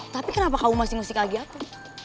tapi kenapa kamu masih musik lagi aku